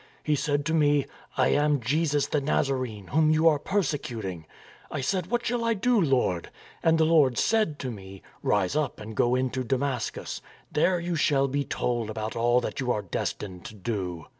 " He said to me, ' I am Jesus the Nazarene, whom you are persecuting.' " I said, ' What shall I do. Lord? '" And the Lord said to me, ' Rise up and go into Damascus; there you shall be told about all that you are destined to do.'